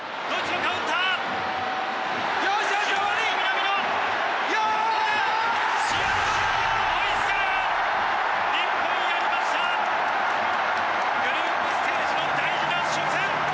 グループステージの大事な初戦